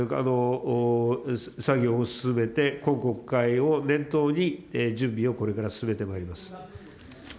作業も進めて、今国会を念頭に準備をこれから進めてまいります。